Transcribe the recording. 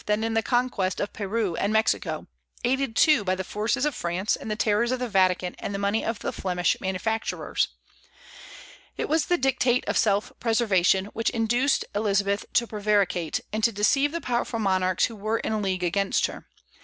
and in the conquest of Peru and Mexico, aided, too, by the forces of France and the terrors of the Vatican and the money of the Flemish manufacturers? It was the dictate of self preservation which induced Elizabeth to prevaricate, and to deceive the powerful monarchs who were in league against her.